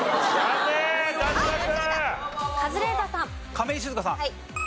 亀井静香さん。